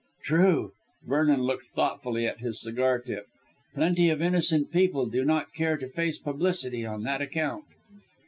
"True!" Vernon looked thoughtfully at his cigar tip. "Plenty of innocent people do not care to face publicity on that account.